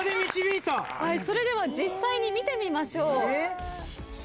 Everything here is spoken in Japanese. それでは実際に見てみましょう。